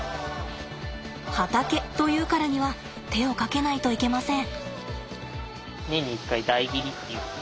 畑というからには手をかけないといけません。